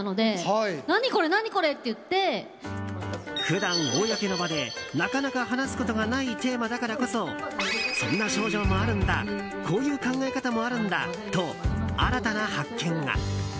普段、公の場でなかなか話すことがないテーマだからこそそんな症状もあるんだこういう考え方もあるんだと新たな発見が。